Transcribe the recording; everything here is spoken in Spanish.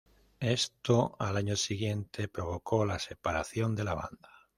Esto, al año siguiente, provocó la separación de la banda.